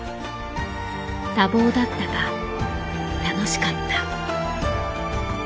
多忙だったが楽しかった。